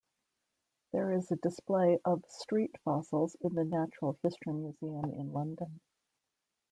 There is a display of Street fossils in the Natural History Museum in London.